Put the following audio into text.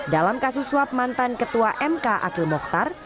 dalam kasus suap mantan ketua mk akhil mohtar